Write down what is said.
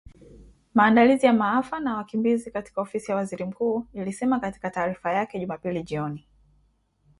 Maandalizi ya maafa na wakimbizi katika Ofisi ya Waziri Mkuu ilisema katika taarifa yake Jumapili jioni .